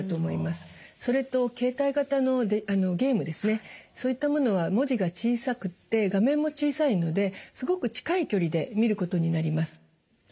やっぱりそういったものは文字が小さくて画面も小さいのですごく近い距離で見ることになります。